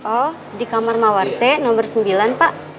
oh di kamar mawarse nomor sembilan pak